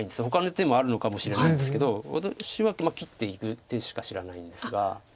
ほかの手もあるのかもしれないんですけど私は切っていく手しか知らないんですが。